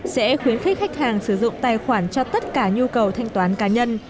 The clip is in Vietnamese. sẽ khuyến khích khách hàng sử dụng tài khoản cho tất cả nhu cầu thanh toán cá nhân